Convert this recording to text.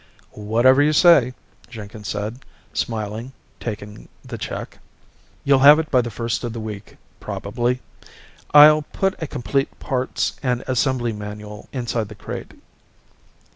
"Whatever you say," Jenkins said, smiling, taking the check. "You'll have it by the first of the week, probably. I'll put a complete parts and assembly manual inside the crate."